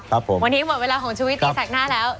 วันนี้หมดเวลาของชุวิตตีแสดงหน้าแล้ว